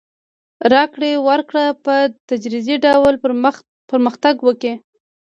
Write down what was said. راکړې ورکړې په تدریجي ډول پرمختګ وکړ.